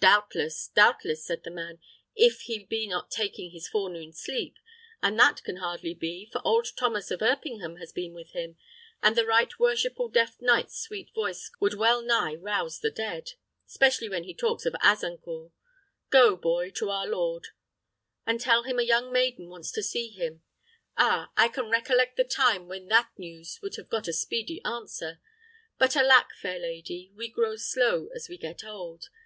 "Doubtless, doubtless," said the man, "if he be not taking his forenoon sleep, and that can hardly be, for old Thomas of Erpingham has been with him, and the right worshipful deaf knight's sweet voice would well nigh rouse the dead 'specially when he talks of Azincourt. Go, boy, to our lord, and tell him a young maiden wants to see him. Ah, I can recollect the time when that news would have got a speedy answer. But alack, fair lady, we grow slow as we get old.